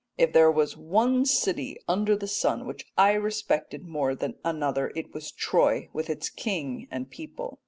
If there was one city under the sun which I respected more than another it was Troy with its king and people.